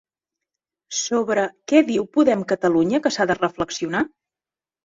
Sobre què diu Podem Catalunya que s'ha de reflexionar?